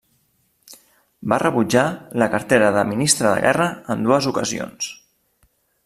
Va rebutjar la cartera de ministre de Guerra en dues ocasions.